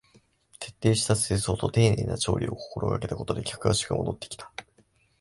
徹底した清掃と丁寧な調理を心がけたことで客足が戻ってきた